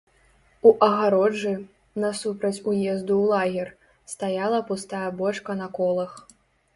У агароджы, насупраць уезду ў лагер, стаяла пустая бочка на колах.